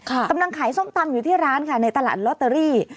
กำลังขายส้มตำอยู่ที่ร้านค่ะในตลาดลอตเตอรี่